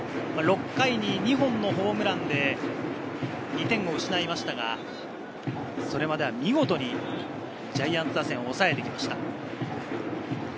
６回に２本のホームランで２点を失いましたが、それまでは見事にジャイアンツ打線を抑えていました。